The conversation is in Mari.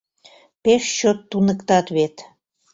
Пеш чот туныктат вет.